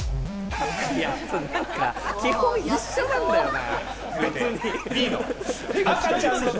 基本一緒なんだよな。